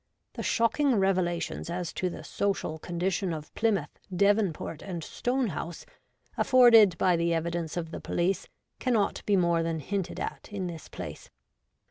The shocking revelations as to the social con dition of Plymouth, Devonport, and Stonehouse, afforded by the evidence of the police, cannot be more than hinted at in this place.